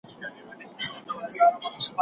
کندهاريان ډېر مېلمه پال خلک دي.